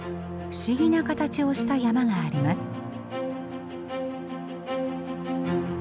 不思議な形をした山があります。